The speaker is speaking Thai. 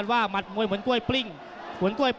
น้ำเงินรอโต